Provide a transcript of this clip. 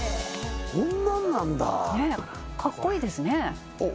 こんなんなんだかっこいいですねあっ